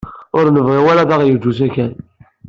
Ur nebɣi ara ad aɣ-yeǧǧ usakal.